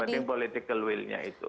penting political will nya itu